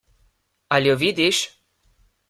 Ali jo vidiš?